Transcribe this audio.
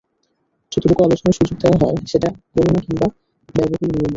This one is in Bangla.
যতটুকু আলোচনার সুযোগ দেওয়া হয়, সেটা করুণা কিংবা ব্যয়বহুল নিয়ম রক্ষা।